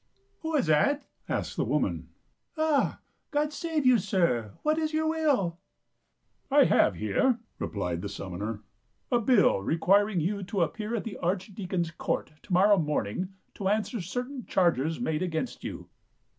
" Who is that ?" asked the woman. " Ah, God save you, sir, what is your will ?" "I have here," replied the summoner, "a bill requiring you to appear at the archdeacon's court to morrow morning to answer to certain charges made against you."